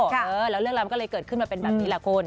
แล้วเรื่องราวมันก็เลยเกิดขึ้นมาเป็นแบบนี้แหละคุณ